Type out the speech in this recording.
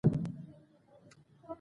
دې چېغو په اورېدو سره نورګل کاکا.